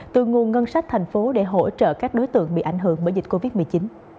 từ nguồn ngân sách thành phố để hỗ trợ các đối tượng bị ảnh hưởng bởi dịch covid một mươi chín